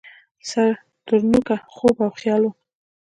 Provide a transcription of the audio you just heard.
سر ترنوکه خوب او خیال وم